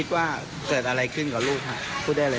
ว่าเกิดอะไรขึ้นกับลูกพูดได้เลย